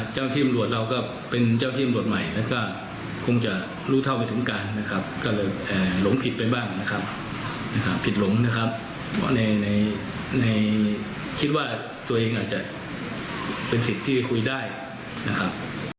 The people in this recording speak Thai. เจ้าที่ตำรวจเราก็เป็นเจ้าที่ตำรวจใหม่แล้วก็คงจะรู้เท่าไม่ถึงการนะครับก็เลยหลงผิดไปบ้างนะครับผิดหลงนะครับเพราะในคิดว่าตัวเองอาจจะเป็นสิทธิ์ที่คุยได้นะครับ